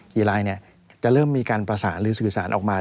กี่ลายจะเริ่มมีการประสานหรือสื่อสารออกมา